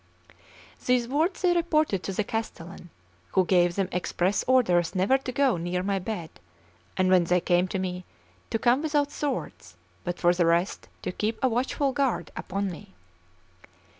These words they reported to the castellan, who gave them express orders never to go near my bed, and when they came to me, to come without swords, but for the rest to keep a watchful guard upon me.